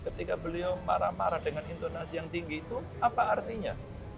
ketika beliau marah marah dengan intonasi yang tinggi itu apa artinya